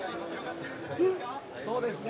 そうですね。